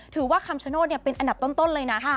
คำชโนธเป็นอันดับต้นเลยนะ